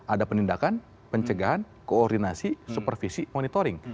ada penindakan pencegahan koordinasi supervisi monitoring